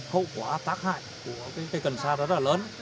hậu quả tác hại của cây cẩn xa rất là lớn